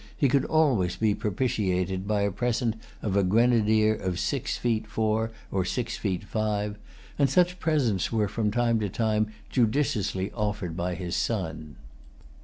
He could always be propitiated by a present of a grenadier of six feet four or six feet five; and such presents were from time to time judiciously offered by his son.